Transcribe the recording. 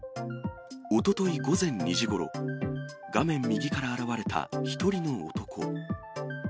おととい午前２時ごろ、画面右から現れた１人の男。